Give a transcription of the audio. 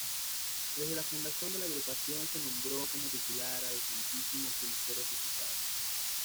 Desde la fundación de la Agrupación se nombró como titular al Santísimo Cristo Resucitado.